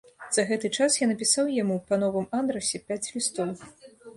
За гэты час я напісаў яму па новым адрасе пяць лістоў.